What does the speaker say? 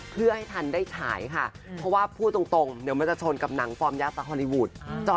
เพื่อให้ทันได้ฉายค่ะเพราะว่าพูดตรงเดี๋ยวมันจะชนกับหนังฟอร์มยาตาฮอลลีวูด